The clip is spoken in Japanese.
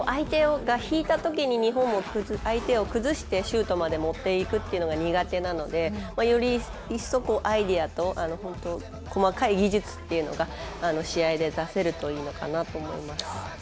相手が引いたときに日本も相手を崩してシュートまで持っていくというのが苦手なのでより一層アイデアと細かい技術っていうのが試合で出せるといいのかなと思います。